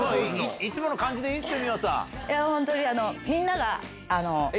いつもの感じでいいですよ。